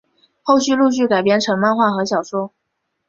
后来陆续改编成漫画和小说。